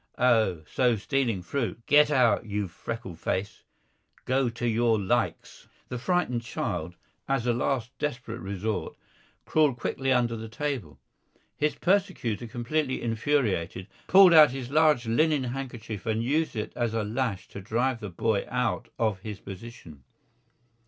Oh, so, stealing fruit! Get out, you freckle face, go to your likes!" The frightened child, as a last desperate resort, crawled quickly under the table. His persecutor, completely infuriated, pulled out his large linen handkerchief and used it as a lash to drive the boy out of his position.